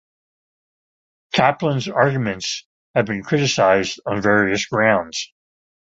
Kaplan's arguments have been criticised on various grounds.